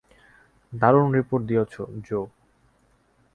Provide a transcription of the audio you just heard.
দারুন রিপোর্ট দিয়েছো, জো।